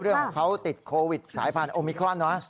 เรื่องของเขาติดโควิดสายพันธุมิครอนเนอะ